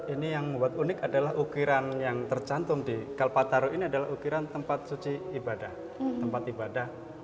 ini yang membuat unik adalah ukiran yang tercantum di kalpataro ini adalah ukiran tempat suci ibadah tempat ibadah